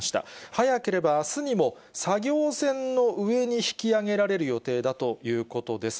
早ければあすにも作業船の上に引き揚げられる予定だということです。